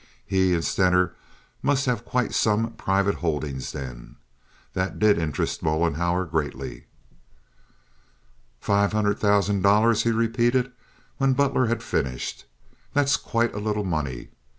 He and Stener must have quite some private holdings then. That did interest Mollenhauer greatly. "Five hundred thousand dollars!" he repeated, when Butler had finished. "That is quite a little money.